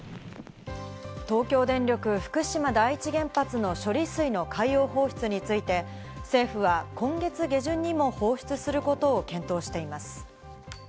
東京電力福島第一原発の処理水の海洋放出について、政府は今月下旬にも放出することを検討しています。